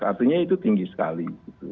artinya itu tinggi sekali